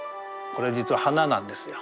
これ実は花なんですよ。